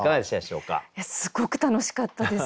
すごく楽しかったです。